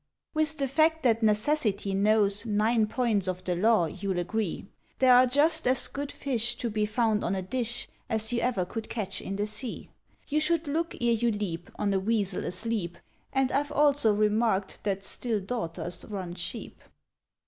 With the fact that Necessity knows Nine Points of the Law, you'll agree. There are just as Good Fish To be found on a Dish As you ever could catch in the Sea. (You should Look ere you Leap on a Weasel Asleep, And I've also remarked That Still Daughters Run Cheap.)